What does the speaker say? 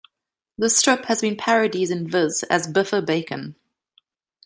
The strip has been parodied in "Viz" as Biffa Bacon.